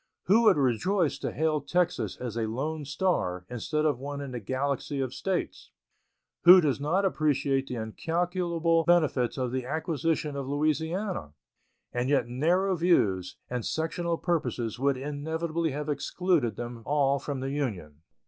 Who would rejoice to hail Texas as a lone star instead of one in the galaxy of States? Who does not appreciate the incalculable benefits of the acquisition of Louisiana? And yet narrow views and sectional purposes would inevitably have excluded them all from the Union.